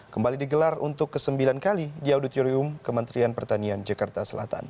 kembali digelar untuk ke sembilan kali di auditorium kementerian pertanian jakarta selatan